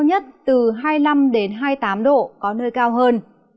nhiệt độ cao nhất từ hai mươi năm hai mươi tám độ có nơi cao hơn